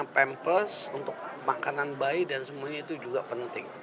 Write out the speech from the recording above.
pemples untuk makanan bayi dan semuanya itu juga penting